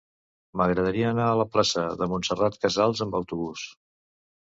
M'agradaria anar a la plaça de Montserrat Casals amb autobús.